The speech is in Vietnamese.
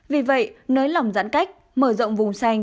vì vậy nới lỏng giãn cách mở rộng vùng xanh